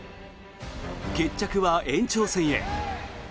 決着は延長戦へ。